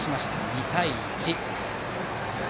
２対１。